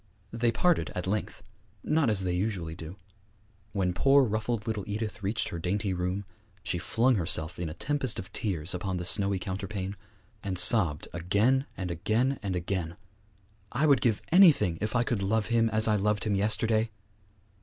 They parted at length not as they usually do. When poor ruffled little Edith reached her dainty room, she flung herself in a tempest of tears upon the snowy counterpane, and sobbed again and again and again, 'I would give anything if I could love him as I loved him yesterday!'